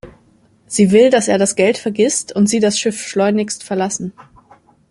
Sie will, dass er das Geld vergisst und sie das Schiff schleunigst verlassen.